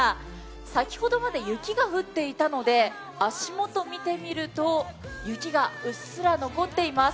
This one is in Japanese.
先ほどまで雪が降っていたので足元を見てみると、雪がうっすら残っています。